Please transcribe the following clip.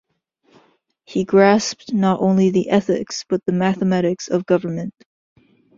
He grasped not only the ethics but the mathematics of government'.